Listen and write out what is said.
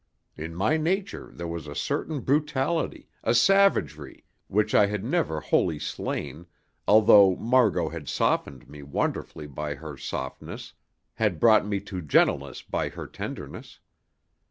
In my nature there was a certain brutality, a savagery, which I had never wholly slain, although Margot had softened me wonderfully by her softness, had brought me to gentleness by her tenderness.